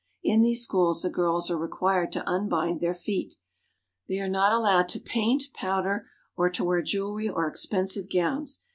In these schools the girls are required to unbind their feet. They are not allowed to paint, powder, or to wear jewelry or expensive gowns.